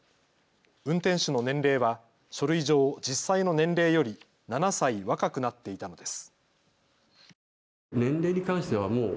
運転手の年齢は書類上、実際の年齢より７歳若くなっていたのです。